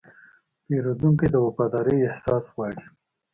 پیرودونکی د وفادارۍ احساس غواړي.